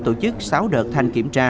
tổ chức sáu đợt thanh kiểm tra